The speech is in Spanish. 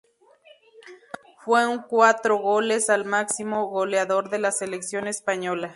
Fue con cuatro goles el máximo goleador de la Selección Española.